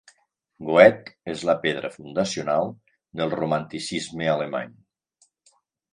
Goethe és la pedra fundacional del romanticisme alemany.